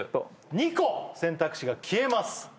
２個選択肢が消えます